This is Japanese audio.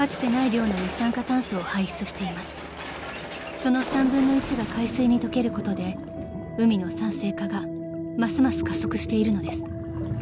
［その３分の１が海水に溶けることで海の酸性化がますます加速しているのです］